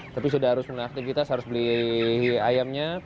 tapi sudah harus menangkap kita harus beli ayamnya